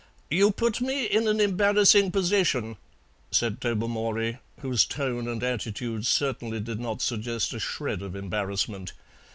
"You put me in an embarrassing position," said Tobermory, whose tone and attitude certainly did not suggest a shred of embarrassment.